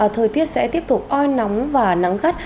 thời tiết sẽ tiếp tục oi nóng và nắng gắt